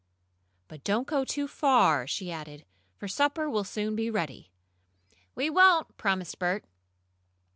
"But don't go too far," she added, "for supper will soon be ready." "We won't!" promised Bert.